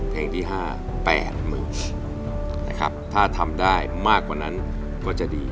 เพลงที่๕๘๐๐๐นะครับถ้าทำได้มากกว่านั้นก็จะดี